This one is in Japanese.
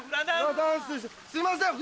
すいません！